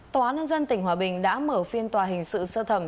tòa nâng dân tỉnh hòa bình đã mở phiên tòa hình sự sơ thẩm